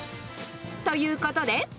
ということで。